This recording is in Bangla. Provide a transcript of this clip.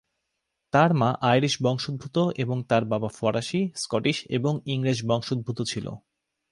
তার মা আইরিশ বংশোদ্ভূত এবং তার বাবা ফরাসি, স্কটিশ এবং ইংরেজ বংশোদ্ভূত ছিল।